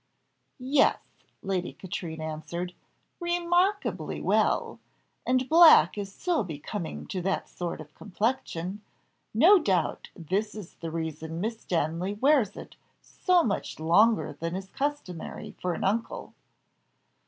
"Yes," Lady Katrine answered, "remarkably well; and black is so becoming to that sort of complexion, no doubt this is the reason Miss Stanley wears it so much longer than is customary for an uncle.